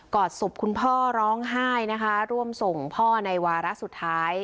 อดศพคุณพ่อร้องไห้นะคะร่วมส่งพ่อในวาระสุดท้าย